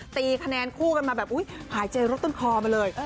ตีคะแนนคู่กันมาแบบอุ๊ยหายใจรถต้นคอมาเลย